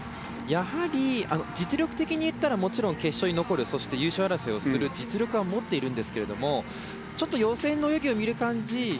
やはり実力的にいったら決勝に残るそして優勝争いをする実力は持っていますがちょっと予選の泳ぎを見る感じ